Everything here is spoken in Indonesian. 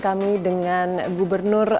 kami dengan gubernur